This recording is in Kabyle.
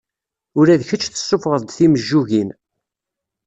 Ula d kečč tessufɣeḍ-d timejjugin.